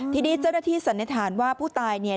ทีนี้เจ้าหน้าที่สันนิษฐานว่าผู้ตายเนี่ย